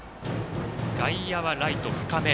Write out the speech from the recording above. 外野はライト深め。